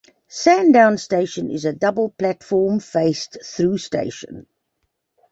Sandown station is a double platform-faced through station.